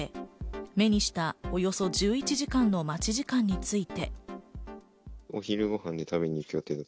目にしたおよそ１１時間の待ち時間について。